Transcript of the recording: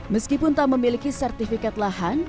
meskipun tak memiliki sertifikat lahan